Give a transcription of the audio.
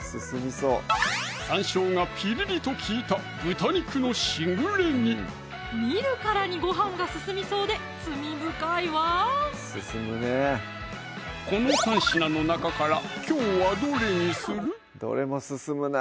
さんしょうがピリリと利いた見るからにご飯がススみそうで罪深いわこの３品の中からきょうはどれにする？